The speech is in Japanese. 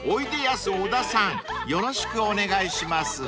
［よろしくお願いします］